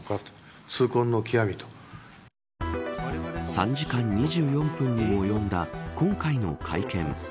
３時間２４分にも及んだ今回の会見。